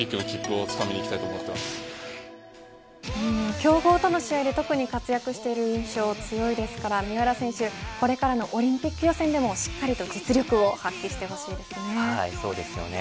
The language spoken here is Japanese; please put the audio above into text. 強豪との試合で特に活躍している印象強いですから宮浦選手、これからのオリンピック予選でもしっかりと実力を発揮してほしいですね。